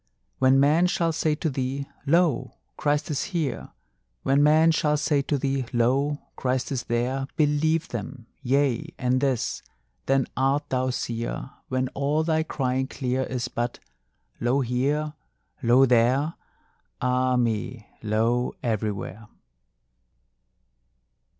When men shall say to thee: Lo! Christ is here, When men shall say to thee: Lo! Christ is there, Believe them: yea, and this then art thou seer, When all thy crying clear Is but: Lo here! lo there! ah me, lo everywhere!"